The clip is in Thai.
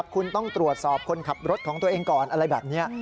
คุณต้องตรวจสอบคนขับรถของตัวเองก่อนอะไรแบบนี้